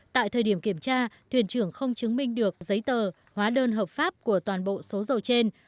tại thời điểm kiểm tra thuyền trưởng không chứng minh được giấy tờ hóa đơn hợp pháp của toàn bộ số dầu trên